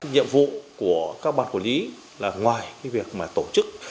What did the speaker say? nhiệm vụ của các bản quản lý là ngoài việc tổ chức